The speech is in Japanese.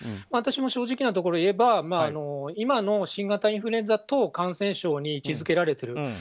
私も正直なところを言えば今の新型インフルエンザと感染症等に位置づけられている。